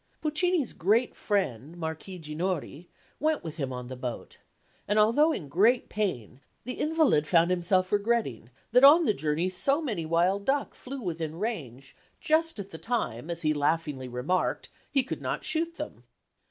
Puccini's great friend, Marquis Ginori, went with him on the boat; and, although in great pain, the invalid found himself regretting that on the journey so many wild duck flew within range, just at the time, as he laughingly remarked, he could not shoot them.